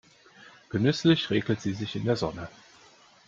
Genüsslich räkelt sie sich in der Sonne.